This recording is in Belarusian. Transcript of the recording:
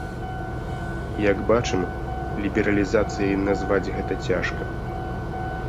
Як бачым, лібералізацыяй назваць гэта цяжка.